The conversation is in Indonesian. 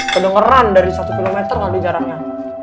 kedengeran dari satu km kali jaraknya